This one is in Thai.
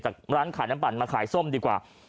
ร้านขายน้ำปั่นมาขายส้มดีกว่า